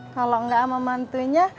kalau nggak sama mantunya